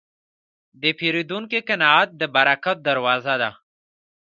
د پیرودونکي قناعت د برکت دروازه ده.